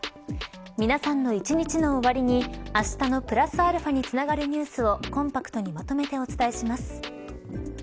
皆さんの一日の終わりにあしたのプラスαにつながるニュースをコンパクトにまとめてお伝えします。